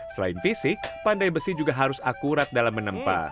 selain fisik pandai besi juga harus akurat dalam menempa